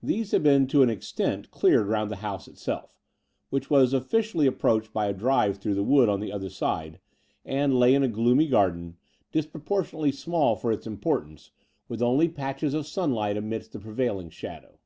These had been to an extent cleared rotmd the house itself, which was officially approached by a drive through the wood on the other side, and lay in a gloomy garden, disproportionately Bcrtween London and Clymping 149 small for its importance, with only patches of sim light amidst the prevailing shadow.